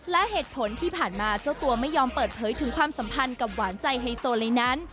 และเหตุผลที่ผ่านมาเจ้าตัวไม่ยอมเปิดเผยถึงความสัมพันธ์กับหวานใจไฮโซเลยนั้น